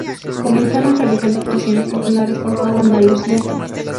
Comenzaron realizando actuaciones populares por toda Andalucía.